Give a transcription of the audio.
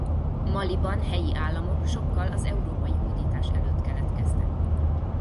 Maliban helyi államok sokkal az európai hódítás előtt keletkeztek.